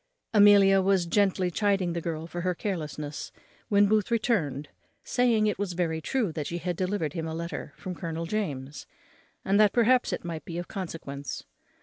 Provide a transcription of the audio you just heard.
Amelia was gently chiding the girl for her carelessness when Booth returned, saying it was very true that she had delivered him a letter from Colonel James, and that perhaps it might be of consequence.